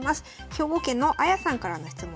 兵庫県のあやさんからの質問です。